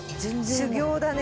修行だね。